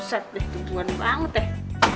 puset deh tumpuan banget deh